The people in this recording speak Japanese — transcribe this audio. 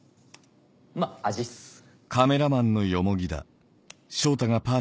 まぁ味っす。